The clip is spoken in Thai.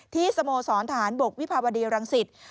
ที่สโมสรฐานบกวิภาวดีรังศิษย์